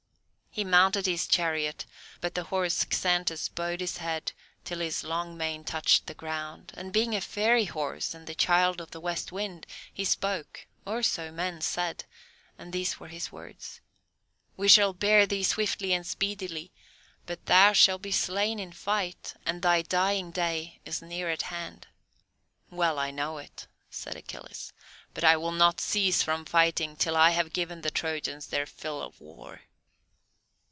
He mounted his chariot, but the horse Xanthus bowed his head till his long mane touched the ground, and, being a fairy horse, the child of the West Wind, he spoke (or so men said), and these were his words: "We shall bear thee swiftly and speedily, but thou shalt be slain in fight, and thy dying day is near at hand." "Well I know it," said Achilles, "but I will not cease from fighting till I have given the Trojans their fill of war."